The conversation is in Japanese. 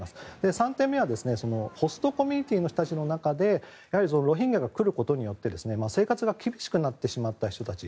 ３点目はホストコミュニティーの中でロヒンギャが来ることによって生活が厳しくなってしまった人たち。